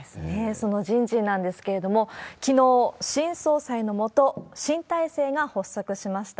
その人事なんですけれども、きのう、新総裁の下、新体制が発足しました。